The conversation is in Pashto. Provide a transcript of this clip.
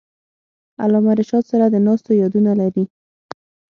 علامه رشاد سره د ناستو یادونه لري.